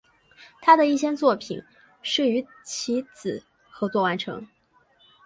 他的一些作品是与其子合作完成。